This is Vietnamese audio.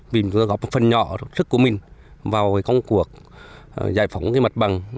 vì chúng ta góp phần nhỏ sức của mình vào công cuộc giải phóng cái mặt bằng